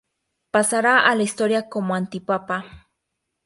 Pasará a la historia como antipapa.